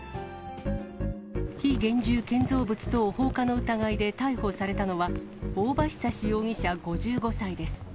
非現住建造物等放火の疑いで逮捕されたのは、大場久司容疑者５５歳です。